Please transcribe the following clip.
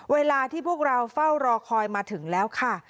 เวลาที่พวกเราเฝ้ารอคอยมาถึงแล้วค่ะ